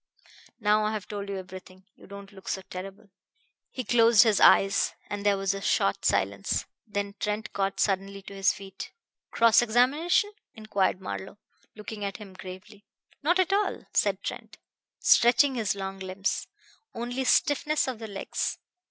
Now I've told you everything, you don't look so terrible." He closed his eyes, and there was a short silence. Then Trent got suddenly to his feet. "Cross examination?" inquired Marlowe, looking at him gravely. "Not at all," said Trent, stretching his long limbs. "Only stiffness of the legs.